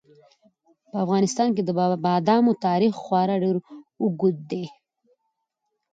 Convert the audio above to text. په افغانستان کې د بادامو تاریخ خورا ډېر اوږد دی.